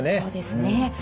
そうですね。